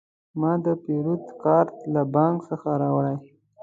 ما د پیرود کارت له بانک څخه راوړی.